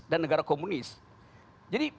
dan negara komunis jadi